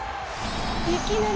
いきなり。